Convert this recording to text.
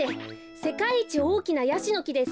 せかいいちおおきなヤシのきです。